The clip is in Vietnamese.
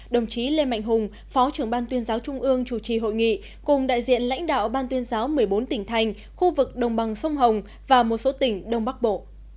đồng chí lê mạnh hùng phó trưởng ban tuyên giáo trung ương chủ trì hội nghị cùng đại diện lãnh đạo ban tuyên giáo một mươi bốn tỉnh thành khu vực đồng bằng sông hồng và một số tỉnh đông bắc bộ